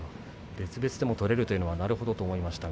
別々でも取れるというのはなるほどと思いました。